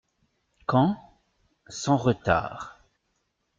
—Quand ? —Sans retard.